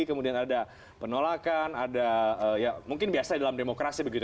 kemudian ada penolakan ada ya mungkin biasa dalam demokrasi begitu